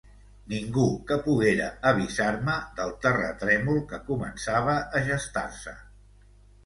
Ningú que poguera avisar-me del terratrèmol que començava a gestar-se.